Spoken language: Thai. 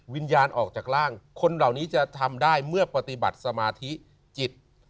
วิญญาณออกจากร่างคนเหล่านี้จะทำได้เมื่อปฏิบัติสมาธิจิต